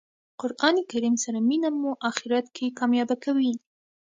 قران کریم سره مینه مو آخرت کښي کامیابه کوي.